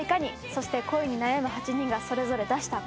そして恋に悩む８人がそれぞれ出した答えとは？